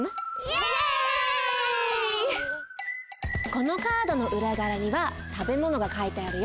このカードのうらがわにはたべものがかいてあるよ。